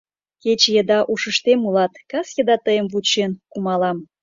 Кече еда ушыштем улат, кас еда тыйым вучен кумалам.